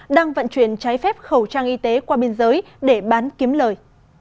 đang vận chuyển trái phép khẩu trang y tế qua biên giới để bán kiếm lời